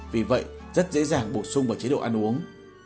vì vậy rất dễ dàng bổ sung vào chế độ ăn uống